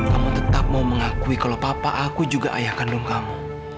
kamu tetap mau mengakui kalau papa aku juga ayah kandung kamu